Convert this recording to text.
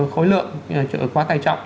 khối lượng trở quá tài trọng